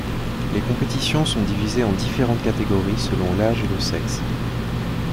Les compétitions sont divisées en différentes catégories selon l'âge et le sexe.